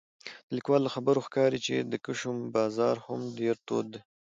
د لیکوال له خبرو ښکاري چې د کشم بازار هم ډېر تود دی